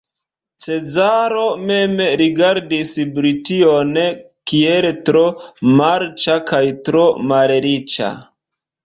Cezaro mem rigardis Brition kiel tro marĉa kaj tro malriĉa.